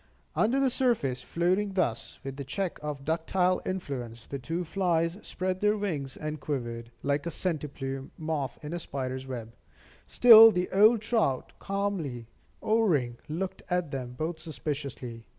Under the surface, floating thus, with the check of ductile influence, the two flies spread their wings and quivered, like a centiplume moth in a spider's web. Still the old trout, calmly oaring, looked at them both suspiciously.